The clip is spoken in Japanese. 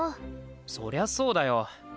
そりゃそうだよ。